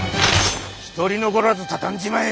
一人残らず畳んじまえ！